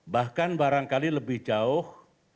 bahkan barangkali lebih jauh